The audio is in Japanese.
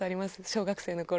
小学生の頃。